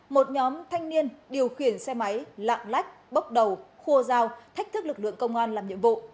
một nhóm thanh niên điều khiển xe máy lạng lách bốc đầu khua dao thách thức lực lượng công an làm nhiệm vụ